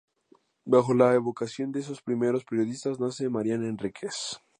Bajo la evocación de esos primeros "periodistas", nace Mariana Enríquez.